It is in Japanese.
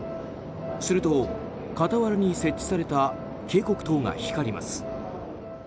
すると傍らに設置された警告灯が光ります。